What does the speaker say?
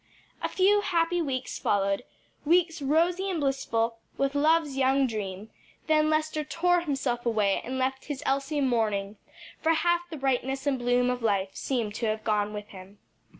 A few happy weeks followed, weeks rosy and blissful with love's young dream, then Lester tore himself away and left his Elsie mourning; for half the brightness and bloom of life seemed to have gone with him.